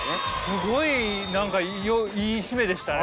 すごい何かいい締めでしたね。